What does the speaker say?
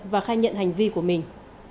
và khai nhận hành vi của mình